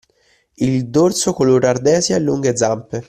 Il dorso color ardesia e lunghe zampe.